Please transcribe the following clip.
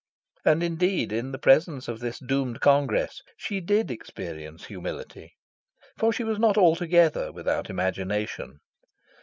And indeed, in the presence of this doomed congress, she did experience humility; for she was not altogether without imagination.